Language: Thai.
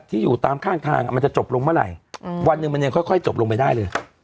ที่อยู่ตามข้างทางมันจะจบลงเมื่อไหร่วันหนึ่งมันยังค่อยจบลงไปได้เลย